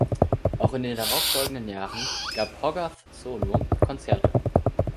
Auch in den darauffolgenden Jahren gab Hogarth Solo-Konzerte.